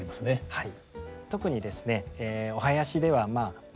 はい。